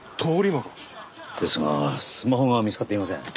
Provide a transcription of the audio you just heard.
ですがスマホが見つかっていません。